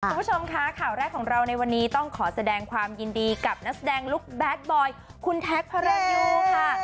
คุณผู้ชมค่ะข่าวแรกของเราในวันนี้ต้องขอแสดงความยินดีกับนักแสดงลูกแดดบอยคุณแท็กพระรันยูค่ะ